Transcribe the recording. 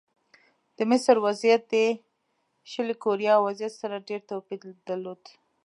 د مصر وضعیت د شلي کوریا وضعیت سره ډېر توپیر درلود.